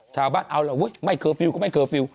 ชาวบ้านเอาล่ะอุ๊ยไม่เคอร์ฟิลล์ก็ไม่เคอร์ฟิลล